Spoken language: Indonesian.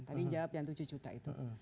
tadi jawab yang tujuh juta itu